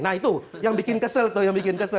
nah itu yang bikin kesel tuh yang bikin kesel